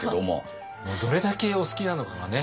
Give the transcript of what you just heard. どれだけお好きなのかがね